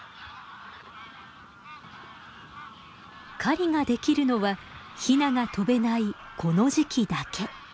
狩りができるのはヒナが飛べないこの時期だけ。